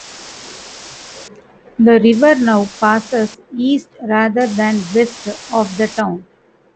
The river now passes east rather than west of the town.